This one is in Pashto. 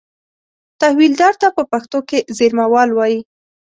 تحویلدار ته په پښتو کې زېرمهوال وایي.